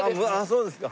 そうですか。